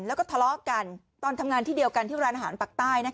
แล้วก็ทะเลาะกันตอนทำงานที่เดียวกันที่ร้านอาหารปากใต้